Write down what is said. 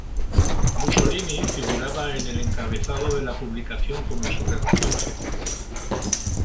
Mussolini figuraba en el encabezado de la publicación como su redactor jefe.